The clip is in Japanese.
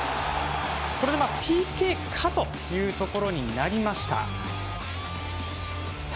これでＰＫかというところになりました。